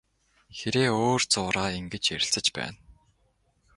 Хэрээ өөр зуураа ингэж ярилцаж байна.